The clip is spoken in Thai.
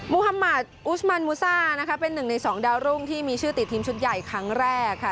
ฮัมมาอุสมันมูซ่านะคะเป็นหนึ่งในสองดาวรุ่งที่มีชื่อติดทีมชุดใหญ่ครั้งแรกค่ะ